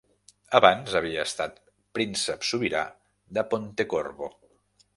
Abans havia estat príncep sobirà de Pontecorvo.